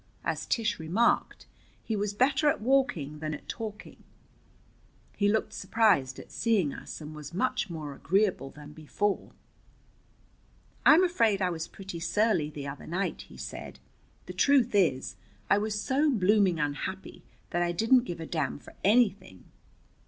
As Tish remarked, he was better at walking than at talking. He looked surprised at seeing us, and was much more agreeable than before. "I'm afraid I was pretty surly the other night," he said. "The truth is, I was so blooming unhappy that I didn't give a damn for anything."